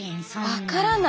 分からない。